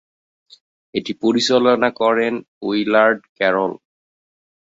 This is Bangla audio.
এটি পরিচালনা করেন উইলার্ড ক্যারল।